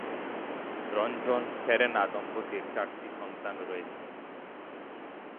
রঞ্জন-সেরেনা দম্পতির চারটি সন্তান রয়েছে।